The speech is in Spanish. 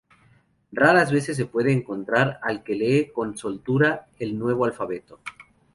Raras veces se puede encontrar al que lee con soltura el nuevo alfabeto.